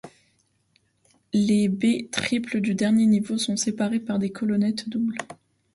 Les baies triples du dernier niveau sont séparées par des colonnettes doubles.